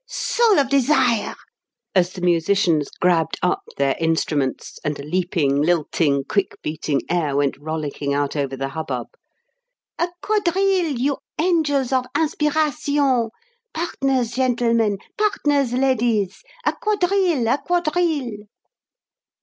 Soul of desires!" as the musicians grabbed up their instruments, and a leaping, lilting, quick beating air went rollicking out over the hubbub "a quadrille, you angels of inspiration! Partners, gentlemen! Partners, ladies! A quadrille! A quadrille!"